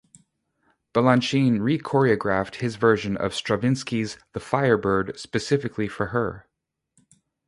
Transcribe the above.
Balanchine re-choreographed his version of Stravinsky's "The Firebird" specifically for her.